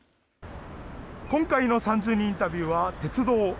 今回の３０人インタビューは鉄道。